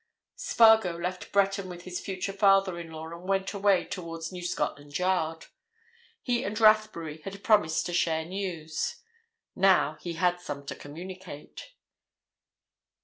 Spargo left Breton with his future father in law and went away towards New Scotland Yard. He and Rathbury had promised to share news—now he had some to communicate.